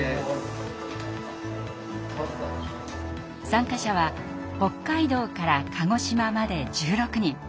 参加者は北海道から鹿児島まで１６人。